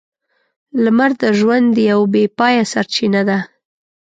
لمر د ژوند یوه بې پايه سرچینه ده.